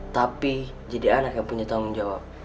tapi jadi anak yang punya tanggung jawab